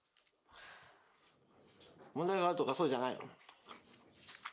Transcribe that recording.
問題がとかそうじゃないの。